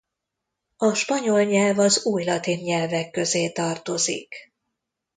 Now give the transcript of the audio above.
A spanyol nyelv az újlatin nyelvek közé tartozik.